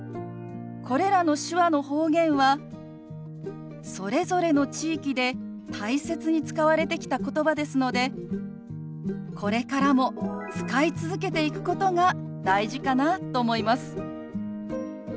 これらの手話の方言はそれぞれの地域で大切に使われてきた言葉ですのでこれからも使い続けていくことが大事かなと思います。